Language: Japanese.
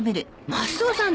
マスオさん